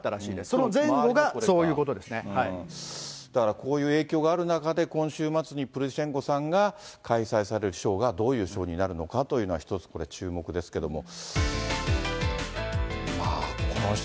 その前後がそういだからこういう影響がある中で、今週末にプルシェンコさんが開催されるショーがどういうショーになるのかというのは一つこれ注目ですけども。